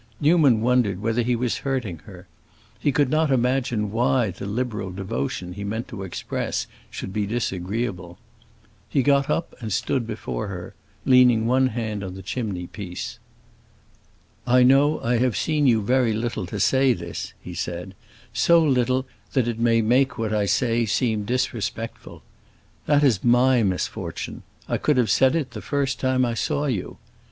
Newman wondered whether he was hurting her; he could not imagine why the liberal devotion he meant to express should be disagreeable. He got up and stood before her, leaning one hand on the chimney piece. "I know I have seen you very little to say this," he said, "so little that it may make what I say seem disrespectful. That is my misfortune! I could have said it the first time I saw you.